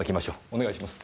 お願いします。